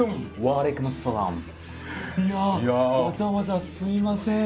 いやわざわざすいません。